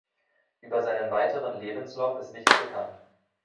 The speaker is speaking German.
Über seinen weiteren Lebenslauf ist nichts bekannt.